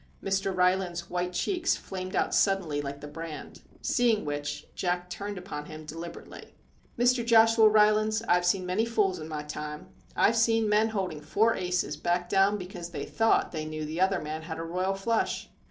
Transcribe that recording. Mr. Rylands's white cheeks flamed out suddenly like the brand. See ing which, Jack turned upon him deliberately. 62 MR. JACK HAMLIN'S MEDIATION * Mr. Joshua Rylands, I Ve seen many fools in my time. I Ve seen men holding four aces backed down because they thought they knew the other man had a royal flush